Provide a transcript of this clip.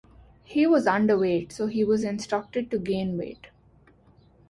He was underweight so he was instructed to gain weight.